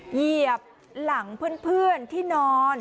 เหยียบหลังเพื่อนที่นอน